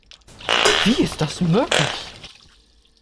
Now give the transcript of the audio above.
Wie ist das möglich?